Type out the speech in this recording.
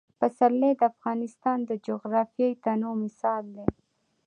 پسرلی د افغانستان د جغرافیوي تنوع مثال دی.